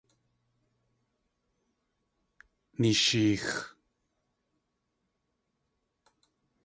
Neesheex!